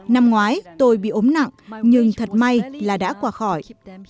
năm ngoái tôi bị ốm nặng nhưng thật may là đã qua khỏi